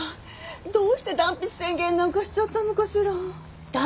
どうして断筆宣言なんかしちゃったのかしら？